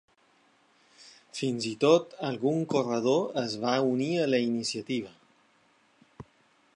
Fins i tot, algun corredor es va unir a la iniciativa.